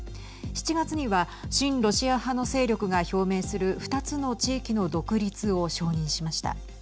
７月には親ロシア派の勢力が表明する２つの地域の独立を承認しました。